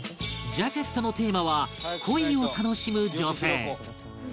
ジャケットのテーマは「恋を楽しむ女性」